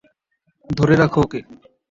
ধরে রাখো ওকে!